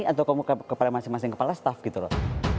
atau kepala masing masing kepala staff gitu loh